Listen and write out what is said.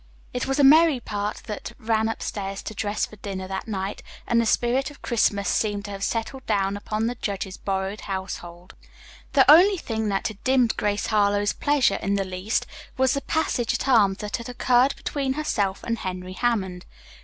It was a merry party that ran upstairs to dress for dinner that night, and the spirit of Christmas seemed to have settled down upon the judge's borrowed household. The only thing that had dimmed Grace Harlowe's pleasure in the least was the passage at arms that had occurred between herself and Henry Hammond.